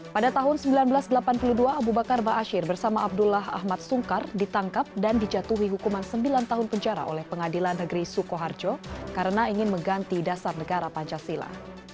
pada tahun seribu sembilan ratus delapan puluh dua abu bakar ⁇ asyir ⁇ bersama abdullah ahmad sungkar ditangkap dan dijatuhi hukuman sembilan tahun penjara oleh pengadilan negeri sukoharjo karena ingin mengganti dasar negara pancasila